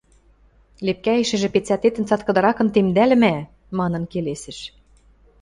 – Лепкӓэшӹжӹ пецӓтетӹм цаткыдыракын темдӓлӹмӓ! – манын келесыш.